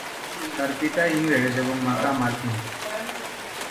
তার পিতা ইংরেজ এবং মাতা মার্কিনী।